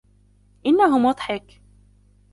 انه مضحك.